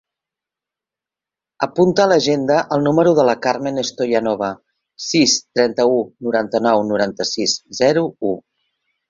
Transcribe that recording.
Apunta a l'agenda el número de la Carmen Stoyanova: sis, trenta-u, noranta-nou, noranta-sis, zero, u.